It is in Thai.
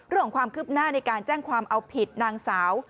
ความคืบหน้าในการแจ้งความเอาผิดนางสาว